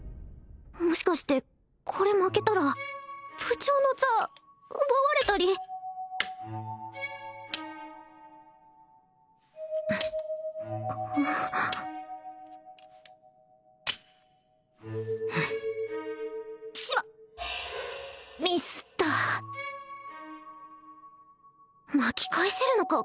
もしかしてこれ負けたら部長の座奪われたりしまっミスった巻き返せるのか